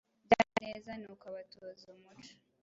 byanyu neza”. Nuko abatoza umuco